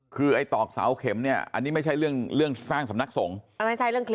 คือไอ้ตอกเสาเข็มเนี้ยอันนี้ไม่ใช่เรื่องเรื่องสร้างสำนักศงไม่ใช่เรื่องคลิป